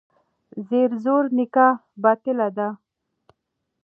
زیر زور نکاح باطله ده.